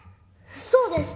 そうです！